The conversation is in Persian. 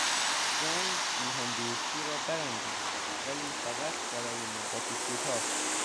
جنگ میهن دوستی را برانگیخت ولی فقط برای مدتی کوتاه.